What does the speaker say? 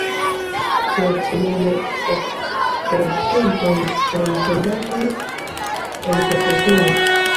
Proksimume ok procentojn kreis soldatoj el profesio.